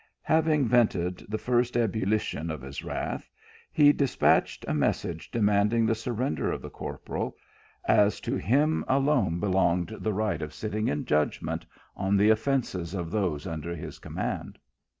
Having vented the first ebullition of his wrath, he despatched a message demanding the surrender of the corporal, as to him alone belonged the right of sitting in judgment on the offences of those under his command.